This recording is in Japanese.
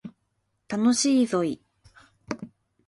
楽しいぞい